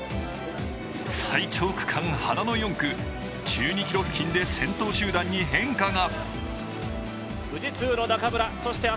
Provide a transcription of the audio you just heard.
最長区間、花の４区、１２ｋｍ付近で先頭集団に変化が。